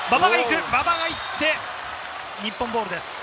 馬場が行って日本ボールです。